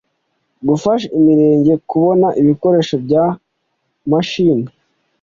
Gufasha imirenge kubona ibikoresho bya mashine